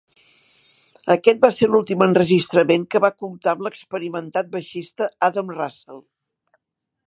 Aquest va ser l'últim enregistrament que va comptar amb l'experimentat baixista Adam Russell.